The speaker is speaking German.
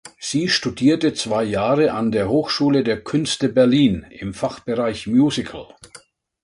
Sie studierte zwei Jahre an der Hochschule der Künste Berlin im Fachbereich Musical.